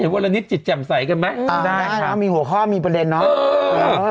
เห็นวันนี้จิตแจ่มใส่กันไหมอืมได้ครับมีหัวข้อมีประเด็นเนอะเออ